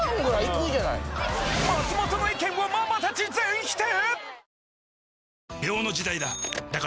松本の意見をママたち全否定！？